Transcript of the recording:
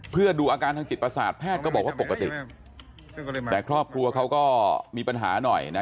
เพื่อดูอาการทางจิตประสาทแพทย์ก็บอกว่าปกติแต่ครอบครัวเขาก็มีปัญหาหน่อยนะ